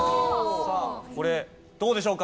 さあこれどうでしょうか？